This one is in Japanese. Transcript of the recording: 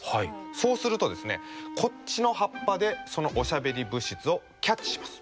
そうするとこっちの葉っぱでそのおしゃべり物質をキャッチします。